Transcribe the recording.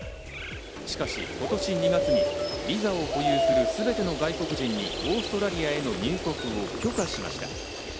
しかし今年２月にビザを保有するすべての外国人にオーストラリアへの入国を許可しました。